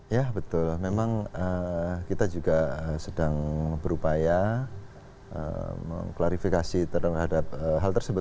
ya betul memang kita juga sedang berupaya mengklarifikasi terhadap hal tersebut